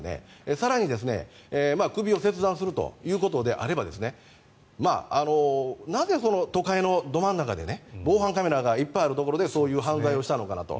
更に首を切断するということであればなぜ、都会のど真ん中で防犯カメラがいっぱいあるところでそういう犯罪をしたのかなと。